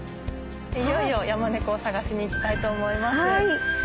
いよいよヤマネコを探しに行きたいと思います。